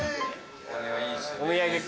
お土産か。